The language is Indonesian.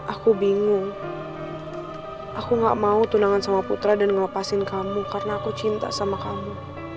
aku bingung aku gak mau tunangan sama putra dan ngelepasin kamu karena aku cinta sama kamu